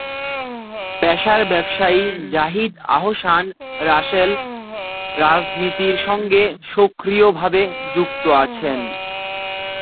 পেশার ব্যবসায়ী জাহিদ আহসান রাসেল রাজনীতির সঙ্গে সক্রিয় ভাবে যুক্ত আছেন।